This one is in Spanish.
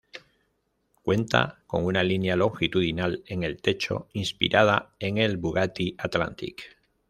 Cuenta con una línea longitudinal en el techo inspirada en el Bugatti Atlantic.